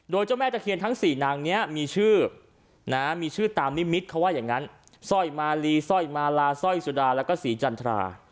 โดยเจ้าแม่ตะเคียนทั้งสี่นางนี้มีชื่อนะมีชื่อตามนิมิตรเขาว่าอย่างนั้นสร้อยมาลีสร้อยมาลาสร้อยสุดาแล้วก็ศรีจันทรา